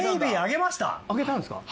揚げたんですか？